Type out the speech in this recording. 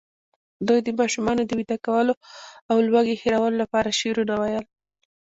دوی د ماشومانو د ویده کولو او لوږې هېرولو لپاره شعرونه ویل.